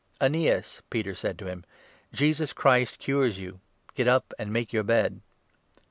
"Aeneas," Peter said to him, "Jesus Christ cures you. Get 34 up, and make your bed."